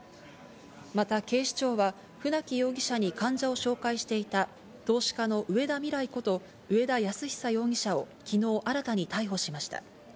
また警視庁は船木容疑者に患者を紹介していた投資家の上田未来こと、上田泰久容疑者を昨日新たに逮捕しました。